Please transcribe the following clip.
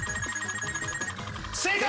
正解！